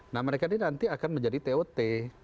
nah mereka ini nanti akan menjadi tot